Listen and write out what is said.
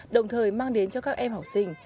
đồng thời mang đến cho các em học sinh